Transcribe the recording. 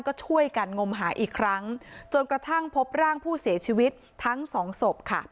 ก็ช่วยกันงมหาอีกครั้งจนกระทั่งพบร่างผู้เสียชีวิตทั้งสองศพค่ะ